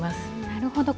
なるほど。